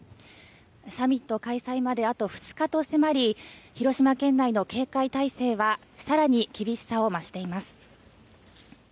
サミット開催まであと２日と迫り広島県内の警戒態勢は更に厳しさを増しています。